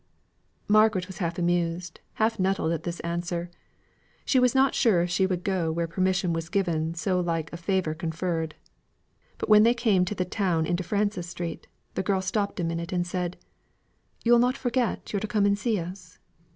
Margaret was half amused, half nettled at this answer. She was not sure if she would go where permission was given so like a favour conferred. But when they came to the turn into Frances Street, the girl stopped a minute, and said, "Yo'll not forget yo're to come and see us."